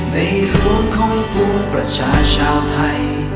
ในห่วงของภูมิประชาชาวไทย